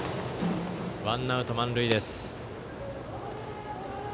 ワンアウト、満塁です。